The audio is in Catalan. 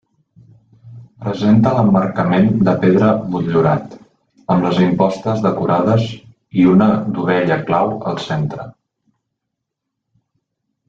Presenta l'emmarcament de pedra motllurat, amb les impostes decorades i una dovella clau al centre.